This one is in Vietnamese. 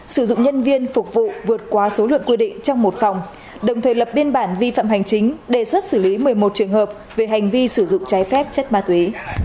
sử dụng nhân viên phục vụ vượt qua số lượng quy định trong một phòng đồng thời lập biên bản vi phạm hành chính đề xuất xử lý một mươi một trường hợp về hành vi sử dụng trái phép chất ma túy